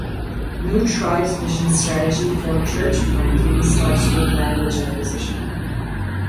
New Tribes Mission's strategy for "church planting" starts with language acquisition.